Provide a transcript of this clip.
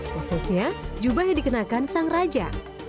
khususnya jubah yang dikenakan sang raja